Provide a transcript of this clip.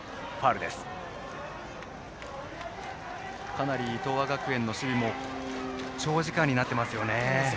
かなり東亜学園の守備も長時間になっていますね。